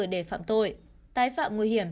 để phạm tội tái phạm nguy hiểm